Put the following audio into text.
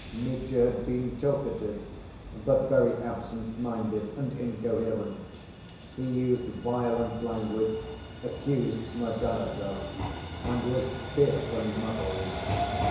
Mitya had been talkative, but very absent‐minded and incoherent. He used violent language, accused Smerdyakov, and was fearfully muddled.